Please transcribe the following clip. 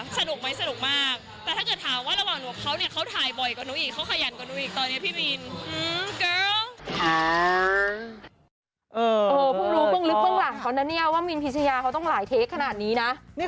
สนุกไหมสนุกมากแต่ถ้าถามว่าระหว่างลวกเขาเเนี่ย